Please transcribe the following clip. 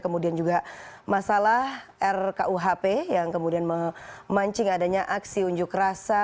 kemudian juga masalah rkuhp yang kemudian memancing adanya aksi unjuk rasa